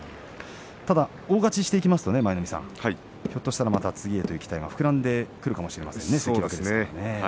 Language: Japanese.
ただ大勝ちしていきますと舞の海さん、また次へという期待が膨らんでいくかもしれませんね。